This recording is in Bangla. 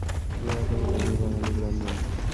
গোরা কহিল, আমি বাঙালি ব্রাহ্মণ।